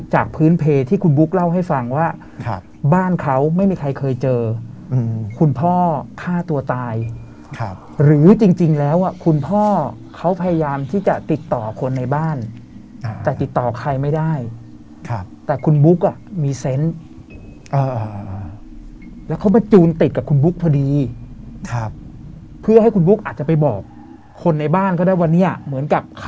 พื้นเพที่คุณบุ๊กเล่าให้ฟังว่าบ้านเขาไม่มีใครเคยเจอคุณพ่อฆ่าตัวตายหรือจริงแล้วคุณพ่อเขาพยายามที่จะติดต่อคนในบ้านแต่ติดต่อใครไม่ได้ครับแต่คุณบุ๊กอ่ะมีเซนต์แล้วเขามาจูนติดกับคุณบุ๊กพอดีเพื่อให้คุณบุ๊กอาจจะไปบอกคนในบ้านก็ได้ว่าเนี่ยเหมือนกับข